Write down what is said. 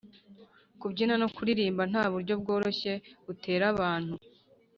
kubyina no kuririmba nta buryo bworoshye butera abantu